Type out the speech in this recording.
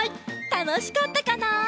たのしかったかな？